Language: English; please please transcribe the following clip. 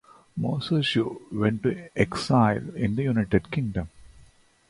Moshoeshoe went to exile in the United Kingdom.